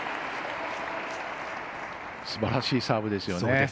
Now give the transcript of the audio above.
すばらしいサーブですよね。